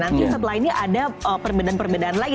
nanti setelah ini ada perbedaan perbedaan lagi